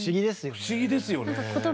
不思議ですよね。